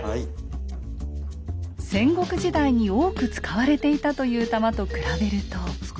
戦国時代に多く使われていたという弾と比べると。